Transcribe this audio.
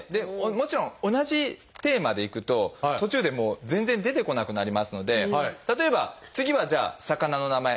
もちろん同じテーマでいくと途中でもう全然出てこなくなりますので例えば次はじゃあ魚の名前